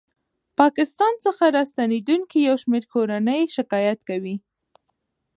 ه پاکستان څخه راستنېدونکې یو شمېر کورنۍ شکایت کوي